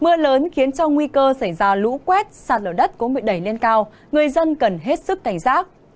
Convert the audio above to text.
mưa lớn khiến cho nguy cơ xảy ra lũ quét sạt lở đất cũng bị đẩy lên cao người dân cần hết sức cảnh giác